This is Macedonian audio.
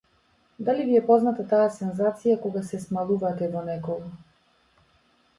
Дали ви е позната таа сензација кога се смалувате во некого?